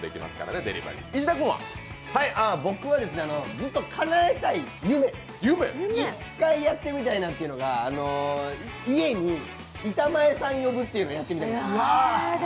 ずっとかなえたい夢、１回やってみたいなというのが家に板前さん呼ぶっていうのやってみたいです。